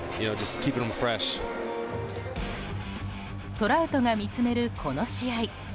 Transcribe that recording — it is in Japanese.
トラウトが見つめるこの試合。